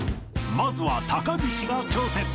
まずは高岸が挑戦。